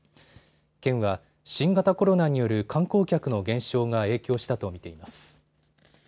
県は新型コロナによる観光客の減少が影響したとみています。